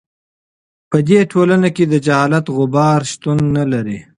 په دې ټولنه کې د جهالت غبار شتون نه لري.